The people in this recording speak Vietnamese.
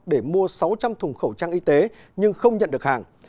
để mua sáu trăm linh thùng khẩu trang y tế nhưng không nhận được hàng